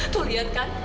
tuh lihat kan